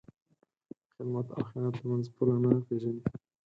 د خدمت او خیانت تر منځ پوله نه پېژني.